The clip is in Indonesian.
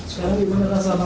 sekarang gimana rasanya pak